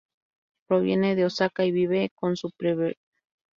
Proviene de Osaka y vive con su pervertido abuelo.